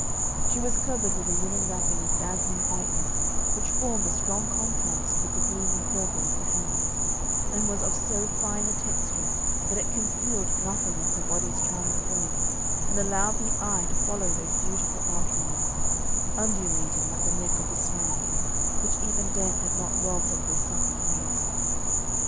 She was covered with a linen wrapping of dazzling whiteness, which formed a strong contrast with the gloomy purple of the hangings, and was of so fine a texture that it concealed nothing of her body's charming form, and allowed the eye to follow those beautiful outlines undulating like the neck of a swan which even death had not robbed of their supple grace.